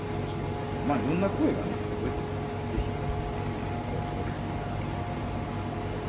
まあいろんな声がね届いてますんでぜひ声届けて頂ければと思います。